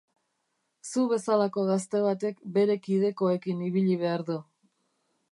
Zu bezalako gazte batek bere kidekoekin ibili behar du.